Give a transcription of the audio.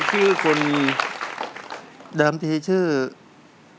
สวัสดีครับ